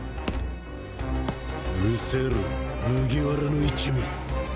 うせろ麦わらの一味。